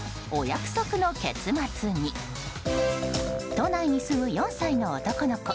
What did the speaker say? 都内に住む４歳の男の子。